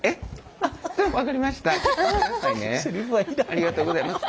ありがとうございます。